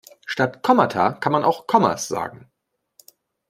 Statt Kommata kann man auch Kommas sagen.